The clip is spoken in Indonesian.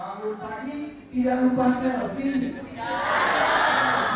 bangun pagi tidak lupa selfie